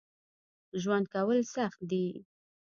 ژوند کول سخت دي